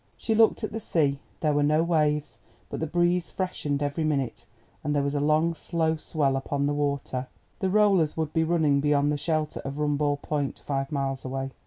She looked at the sea. There were no waves, but the breeze freshened every minute, and there was a long slow swell upon the water. The rollers would be running beyond the shelter of Rumball Point, five miles away.